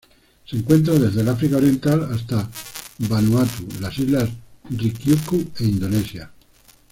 Se encuentran desde el África Oriental hasta Vanuatu, las Islas Ryukyu e Indonesia.